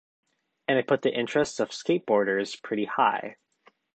And I put the interests of skateboarders pretty high.